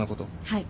はい